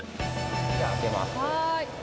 じゃあ、開けます。